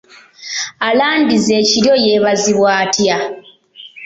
Alandiza ekiryo yeebazibwa atya?